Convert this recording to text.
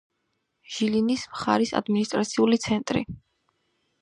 ჟილინის მხარის ადმინისტრაციული ცენტრი.